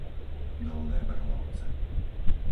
Dolné Brhlovce